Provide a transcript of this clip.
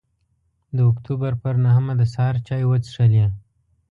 د اکتوبر پر نهمه د سهار چای وڅښلې.